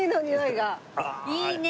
いいね！